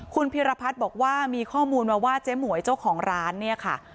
คุณพิรพัฒน์บอกว่ามีข้อมูลมาว่าเจ๊หมวยเจ้าของร้านเนี่ยค่ะ